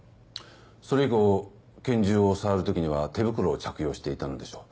それ以降拳銃を触る時には手袋を着用していたのでしょう。